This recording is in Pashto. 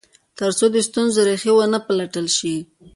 تر څو د ستونزو ریښې و نه پلټل شي.